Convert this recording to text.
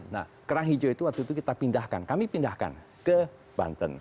nah kerang hijau itu waktu itu kita pindahkan kami pindahkan ke banten